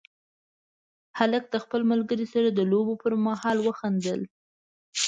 هلک د خپل ملګري سره د لوبو پر مهال وخندل.